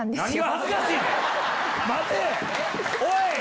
おい！